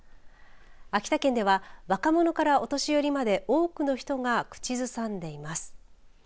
秋田県では若者からお年寄りまで多くの人が口ずさんでいます。